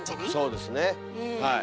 そうですねはい。